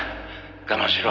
我慢しろ」